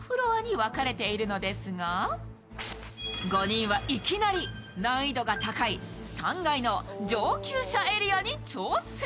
５人はいきなり難易度が高い３階の上級者エリアに挑戦。